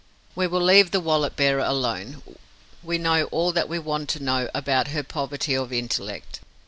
We will leave the wallet bearer alone; we know all that we want to know about her poverty of intellect.